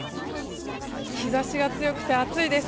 日差しが強くて暑いです